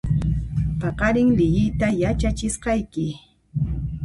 Paqarin liyiyta yachachisqayki